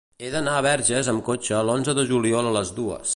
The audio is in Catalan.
He d'anar a Verges amb cotxe l'onze de juliol a les dues.